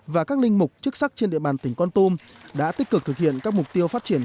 và các linh mục chức sắc trên địa bàn tỉnh con tum đã tích cực thực hiện các mục tiêu phát triển